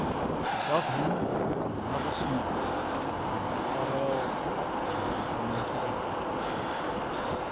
Above him he heard another snap, and the frail platform began to rock.